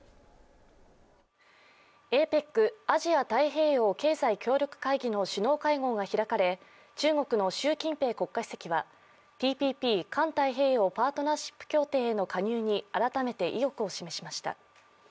ＡＰＥＣ＝アジア太平洋経済協力会議の首脳会合が開かれ中国の習近平国家主席はＴＰＰ＝環太平洋パートナーシップ協定への加入に改めて、意欲を示しました。